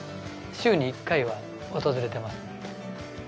週に１回は訪れてます。